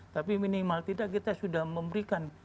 tapi minimal tidak kita sudah memberikan